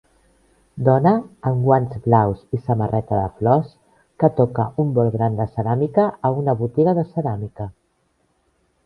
Dona amb guants blaus i samarreta de flors que toca un bol gran de ceràmica a una botiga de ceràmica